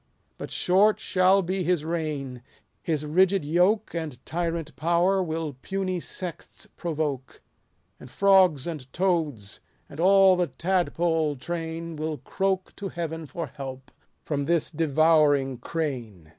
But short shall be his reign : his rigid yoke And tyrant power will puny sects provoke ; 174 DRYDEX's POEMS. And frogs and toads, and all the tadpole train, 304 Will croak to heaven for help, from this devouring crane.